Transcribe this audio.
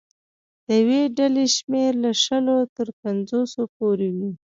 د یوې ډلې شمېر له شلو تر پنځوسو پورې وي.